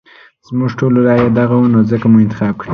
زموږ ټولو رايه ددغه وه نو ځکه مو انتخاب کړی.